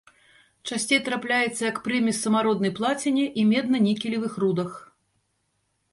Часцей трапляецца як прымесь самароднай плаціне і медна-нікелевых рудах.